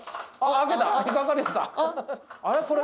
あれ？